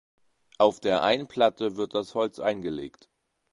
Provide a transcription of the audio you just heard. Auf der einen Platte wird das Holz eingelegt.